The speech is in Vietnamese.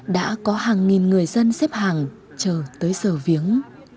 đã có hàng nghìn người dân xếp hàng chờ tới giờ viếng